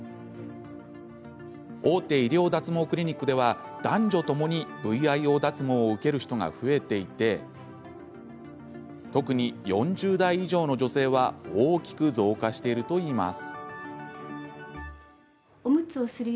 大手医療脱毛クリニックでは男女ともにＶＩＯ脱毛を受ける人が増えていて特に４０代以上の女性は大きく増加しているといいます。